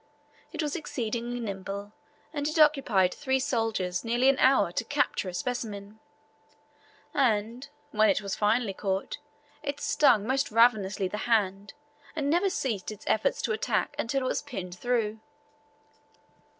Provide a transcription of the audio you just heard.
It was exceedingly nimble, and it occupied three soldiers nearly an hour to capture a specimen; and, when it was finally caught, it stung most ravenously the hand, and never ceased its efforts to attack until it was pinned through.